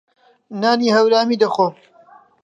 نانی هەورامی دەخۆم.